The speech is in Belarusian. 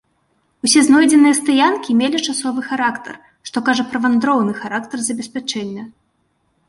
Усе знойдзеныя стаянкі мелі часовы характар, што кажа пра вандроўны характар забеспячэння.